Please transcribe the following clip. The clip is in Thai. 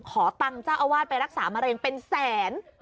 ขอตังค์เจ้าอาวาสไปรักษามะเร็งเป็นแสน